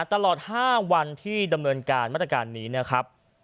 ตลอด๕วันที่ดำเนินการมาตรการนี้นะครับ